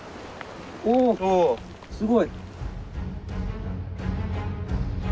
おおすごい。